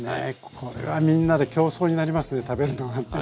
これはみんなで競争になりますね食べるのがね。